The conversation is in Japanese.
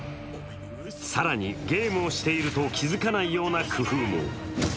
更に、ゲームをしていると気づかないような工夫も。